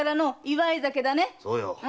そうよ。